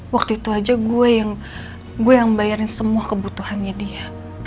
waktu itu aja gue yang bayarin semua kebutuhannya dia